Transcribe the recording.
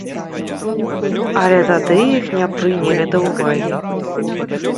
Але тады іх не прынялі да ўвагі.